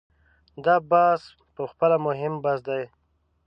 دا بحث په خپله مهم بحث دی.